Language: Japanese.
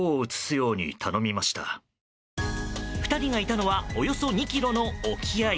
２人がいたのはおよそ２ｋｍの沖合。